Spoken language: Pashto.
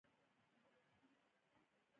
د ننګرهار په کوټ کې د سمنټو مواد شته.